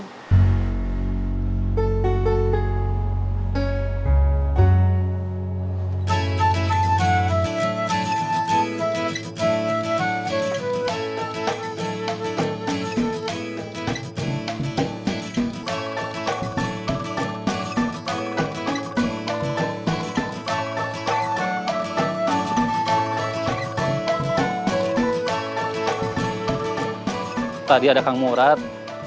tuh tadi ada kang murad